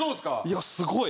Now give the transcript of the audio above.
いやすごい。